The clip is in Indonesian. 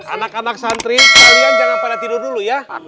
anak anak santri kalian jangan pada tidur dulu ya